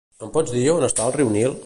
Em pots dir on està el riu Nil?